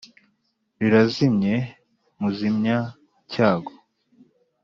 rirazimye muzimya-cyago,